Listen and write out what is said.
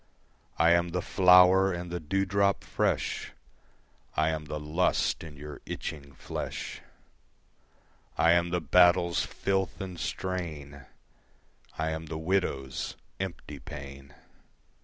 I am the flower and the dewdrop fresh, I am the lust in your itching flesh. I am the battle's filth and strain, I am the widow's empty pain.